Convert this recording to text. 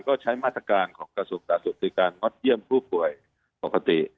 ก็ใช้มาตรการของกระสุนประสุทธิการงอดเยี่ยมผู้ป่วยปกติ